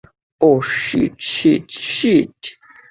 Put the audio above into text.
Oh, shit, shit, sheet.